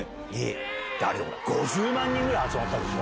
あれ５０万人ぐらい集まったでしょ？